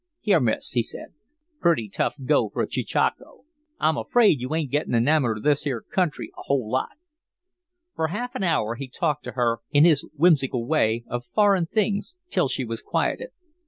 "Here, Miss," he said. "Pretty tough go for a 'cheechako.' I'm afraid you ain't gettin' enamoured of this here country a whole lot." For half an hour he talked to her, in his whimsical way, of foreign things, till she was quieted.